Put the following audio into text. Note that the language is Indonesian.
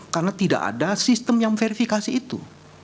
karena tidak ada sistem yang verifikasi itu